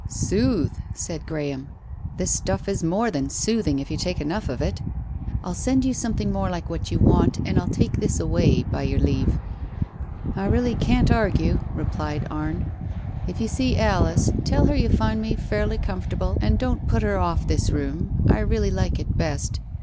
» "Soothe!" said Graham. "This stuff is more than soothing if you take enough of it. I'll send you some Digitized by Google THE PRAYER 123 thing more like what you want, and I'll take this away, by your leave." "I really can't argue!" replied Arne. ... "If you see Alice, tell her you find me fairly comfortable and don't put her off this room. I really like it best.